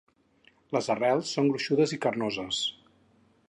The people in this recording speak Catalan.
Les arrels són gruixudes i carnoses.